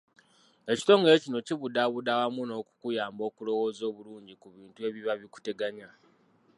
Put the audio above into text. Ekitongole kino kibudaabuda awamu n'okukuyamba okulowooza obulungi ku bintu ebiba bikuteganya.